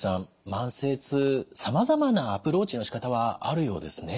慢性痛さまざまなアプローチのしかたはあるようですね。